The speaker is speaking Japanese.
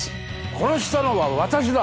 殺したのは私だ！